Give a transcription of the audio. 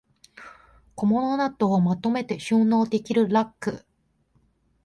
小物などをまとめて収納できるラック